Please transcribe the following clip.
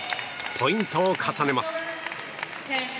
ポイントを重ねます。